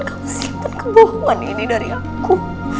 kau sikapkan kebohongan ini dari aku